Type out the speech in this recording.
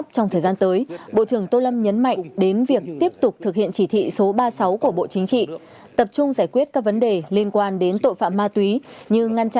song tội phạm ma túy hoạt động rất mạnh